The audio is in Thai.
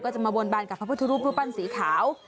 ก็จะมาบนบรรกับภพธุรูปปั้นสีขาว